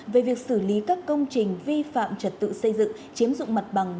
về việc xử lý các công trình vi phạm trật tự xây dựng chiếm dụng mặt bằng